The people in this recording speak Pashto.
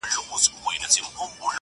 هغې ته درد لا ژوندی دی,